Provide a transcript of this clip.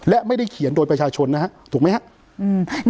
และไม่ได้เขียนโดยประชาชนนะฮะถูกไหมครับ